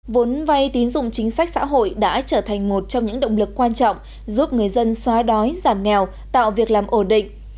vốn vay tín dụng chính sách xã hội đã trở thành một trong những động lực quan trọng giúp người dân xóa đói giảm nghèo tạo việc làm ổn định